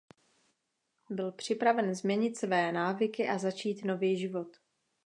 Byl připraven změnit své návyky a začít nový život.